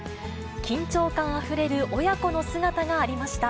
緊張感あふれる親子の姿がありました。